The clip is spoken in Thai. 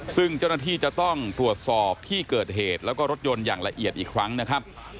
ซึ่งเจ้าหน้าที่จะต้องตรวจสอบที่เกิดเหตุแล้วก็รถยนต์อย่างละเอียดอีกครั้งนะครับ